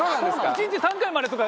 １日３回までとか。